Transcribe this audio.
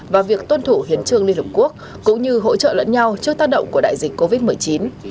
và việc tuân thủ hiến trương liên hợp quốc cũng như hỗ trợ lẫn nhau trước tác động của đại dịch covid một mươi chín